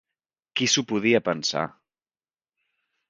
Qui s'ho podia pensar!